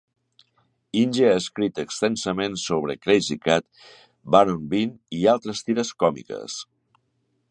Inge ha escrit extensament sobre "Krazy Kat", "Baron Bean" i altres tires còmiques.